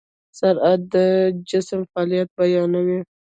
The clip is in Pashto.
سرعت د جسم فعالیت بیانوي.